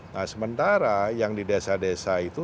nah sementara yang di desa desa itu